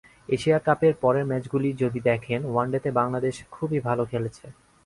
Asia কাপের পরের ম্যাচগুলো যদি দেখেন, ওয়ানডেতে বাংলাদেশ খুবই ভালো খেলেছে।